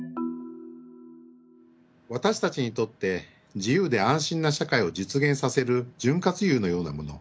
私たちにとって自由で安心な社会を実現させる潤滑油のようなもの